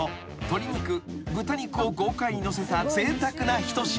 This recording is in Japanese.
鶏肉豚肉を豪快にのせたぜいたくな一品］